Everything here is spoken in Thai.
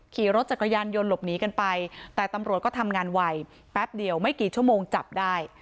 ขี่รถจักรยานยนต์หลบหนีกันไปแต่ตำรวจก็ทำงานไวแป๊บเดียวไม่กี่ชั่วโมงจับได้